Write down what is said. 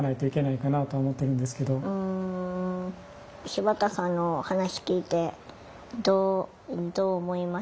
柴田さんの話聞いてどう思いました？